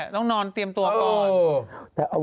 ต้องนอนเตรียมตัวก่อน